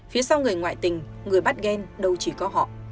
phía sau người ngoại tình người bắt ghen đâu chỉ có họ